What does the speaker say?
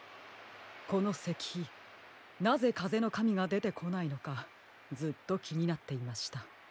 このせきひなぜかぜのかみがでてこないのかずっときになっていました。